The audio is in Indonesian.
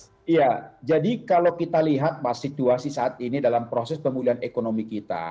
iya jadi kalau kita lihat mas situasi saat ini dalam proses pemulihan ekonomi kita